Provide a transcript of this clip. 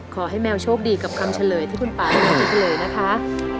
ขอให้แมวโชคดีกับคำเฉลยที่คุณป่าร้องคิดเลยนะคะ